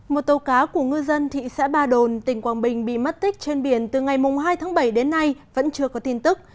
một tàu cá của ngư dân thị xã ba đồn tỉnh quảng bình bị mất tích trên biển từ ngày hai tháng bảy đến nay vẫn chưa có tin tức